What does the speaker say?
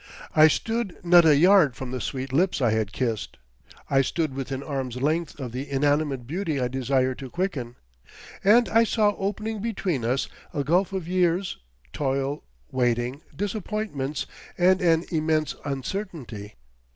I stood not a yard from the sweet lips I had kissed; I stood within arm's length of the inanimate beauty I desired to quicken, and I saw opening between us a gulf of years, toil, waiting, disappointments and an immense uncertainty.